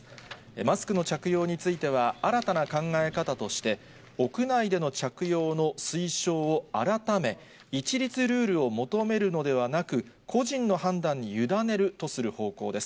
マスクの着用については、新たな考え方として、屋内での着用の推奨を改め、一律ルールを求めるのではなく、個人の判断に委ねるとする方向です。